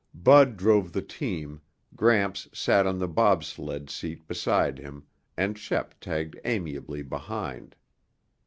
Bud drove the team, Gramps sat on the bobsled seat beside him and Shep tagged amiably behind.